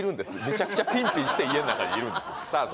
めちゃくちゃピンピンして家の中にいるんですさあ